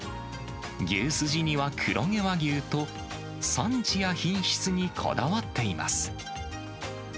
牛筋には黒毛和牛と、産地や品質にこだわっています。